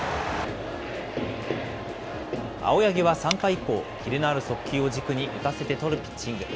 青柳は３回以降、切れのある速球を軸に、打たせてとるピッチング。